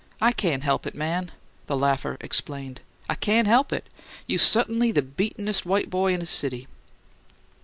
"I cain' he'p it, man," the laughter explained. "I cain' he'p it! You sut'n'y the beatin'es' white boy 'n 'is city!"